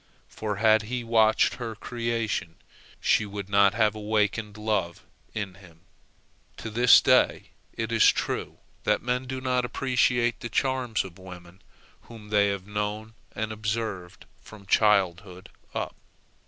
For, had he watched her creation, she would not have awakened love in him. To this day it is true that men do not appreciate the charms of women whom they have known and observed from childhood up.